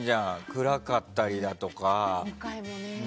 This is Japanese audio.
暗かったりだとか。